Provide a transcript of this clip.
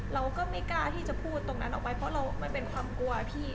เราก็ไม่กล้าที่จะพูดตรงนั้นออกไปเพราะเรามันเป็นความกลัวพี่